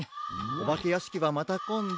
おばけやしきはまたこんど。